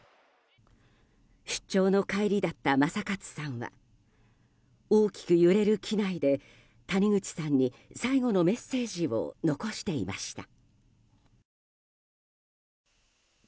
出張の帰りだった正勝さんは大きく揺れる機内で谷口さんに、最後のメッセージを残していました。